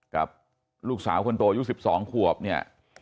กับลูกสาวคนโตชิบ๒ควบเนี้ย